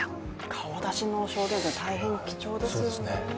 顔出しの証言は大変貴重ですよね。